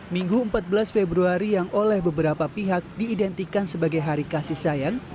minggu empat belas februari yang oleh beberapa pihak diidentikan sebagai hari kasih sayang